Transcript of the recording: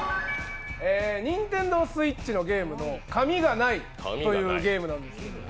ＮｉｎｔｅｎｄｏＳｗｉｔｃｈのゲームの「紙がない！」というゲームなんです。